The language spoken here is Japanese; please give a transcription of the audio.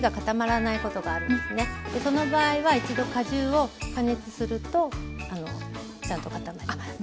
その場合は一度果汁を加熱するとちゃんと固まります。